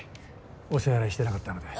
お支払いしてなかったので。